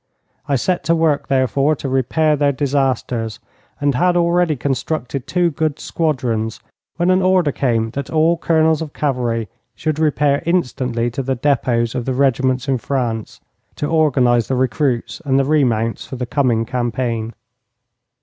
I set to work, therefore, to repair their disasters, and had already constructed two good squadrons, when an order came that all colonels of cavalry should repair instantly to the depôts of the regiments in France to organize the recruits and the remounts for the coming campaign.